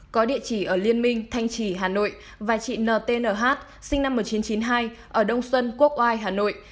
có địa chỉ ở liên minh thanh trì hà nội và chị n t n h sinh năm một nghìn chín trăm chín mươi hai ở đông xuân quốc oai hà nội